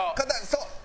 そう！